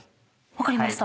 分かりました。